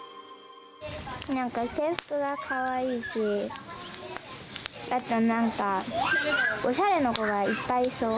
なんか、制服がかわいいし、あとなんか、おしゃれな子がいっぱいいそう。